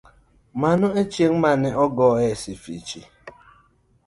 Mano e chieng' mane ogoye Sifichi.